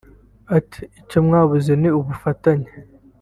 Ati " Icyo mwabuze ni ubufatanye